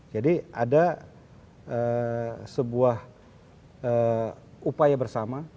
jadi ada sebuah upaya bersama